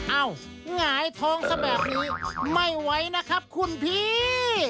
หงายท้องซะแบบนี้ไม่ไหวนะครับคุณพี่